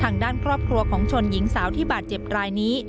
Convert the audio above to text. ทางด้านครอบครัวของชนหญิงสาวที่บาดเจ็บรายนี้